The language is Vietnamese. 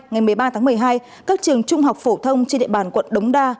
ngày một mươi ba tháng một mươi hai các trường trung học phổ thông trên địa bàn quận đống đa